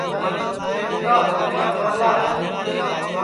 ٻیٹا کیہٹؔا سَولا ہے